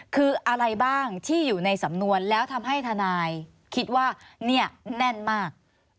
คืออะไรบ้างที่อยู่ในสำนวนแล้วทำให้ทนายคิดว่าเนี่ยแน่นมาก